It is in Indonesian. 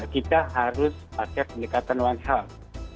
kita harus pakai pendekatan one health